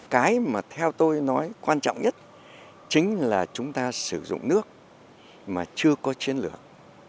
cái mà theo tôi nói quan trọng nhất chính là chúng ta sử dụng nước mà chưa có chiến lược